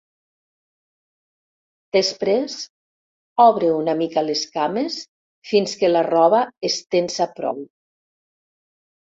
Després obre una mica les cames fins que la roba es tensa prou.